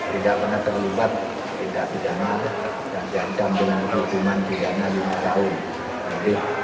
tidak pernah terlibat tidak pidana dan jangka dengan hukuman di mana lima tahun